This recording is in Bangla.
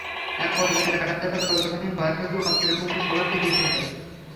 একপর্যায়ে ডাকাতেরা দরজা ভেঙে ঘরে ঢুকে অস্ত্রের মুখে সবাইকে জিম্মি করে।